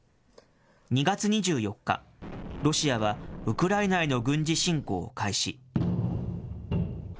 ２月２４日、ロシアはウクライナへの軍事侵攻を開始。